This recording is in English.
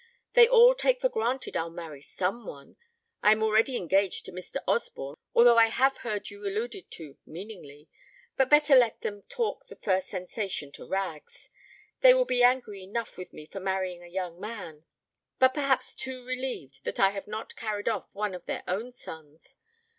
They all take for granted I'll marry some one I am already engaged to Mr. Osborne, although I have heard you alluded to meaningly but better let them talk the first sensation to rags. ... They will be angry enough with me for marrying a young man, but perhaps too relieved that I have not carried off one of their own sons.